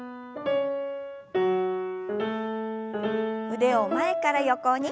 腕を前から横に。